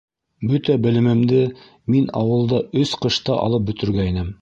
Бөтә белемемде мин ауылда өс ҡышта алып бөтөргәйнем.